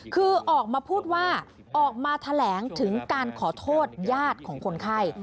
คือออกมาพูดว่าออกมาแถลงถึงการขอโทษญาติของคนไข้